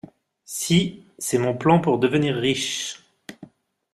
Si, c'est mon plan pour devenir riche.